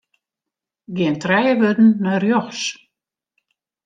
Gean trije wurden nei rjochts.